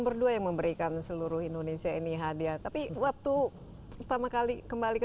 berdua yang memberikan seluruh indonesia ini hadiah tapi waktu pertama kali kembali ke